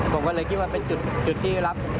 ผมก็เลยคิดว่าเป็นจุดที่รับ